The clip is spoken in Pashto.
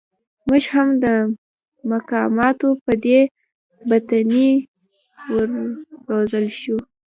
موږ هم د مقاماتو په دې بدنیتۍ و روزل شوو.